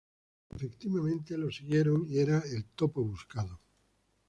Efectivamente lo siguieron y era el topo buscado.